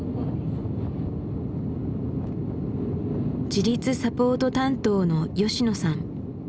自立サポート担当の吉野さん。